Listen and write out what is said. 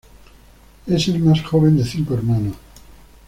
Es el más joven de cinco hermanos.